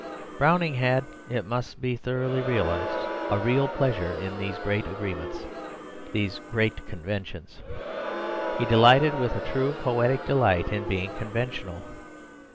Browning had, it must thoroughly be realised, a real pleasure in these great agreements, these great conventions. He delighted, with a true poetic delight, in being conventional.